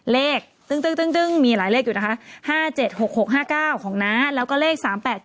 ซึ้งมีหลายเลขอยู่นะคะ๕๗๖๖๕๙ของน้าแล้วก็เลข๓๘๗